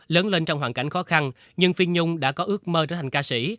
lớn lên trong hoàn cảnh khó khăn nhưng phi nhung đã có ước mơ trở thành ca sĩ